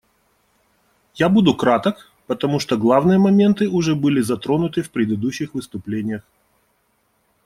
Я буду краток, потому что главные моменты уже были затронуты в предыдущих выступлениях.